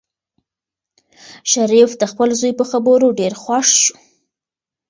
شریف د خپل زوی په خبرو ډېر خوښ شو.